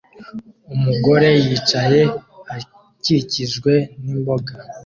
Umugore yicaye akikijwe n'imboga